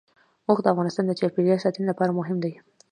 اوښ د افغانستان د چاپیریال ساتنې لپاره مهم دي.